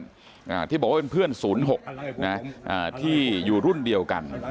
อ่าที่บอกว่าเป็นเพื่อนศูนย์หกนะอ่าที่อยู่รุ่นเดียวกัน